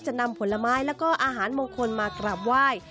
นำผลไม้แล้วก็อาหารมงคลมากราบไหว้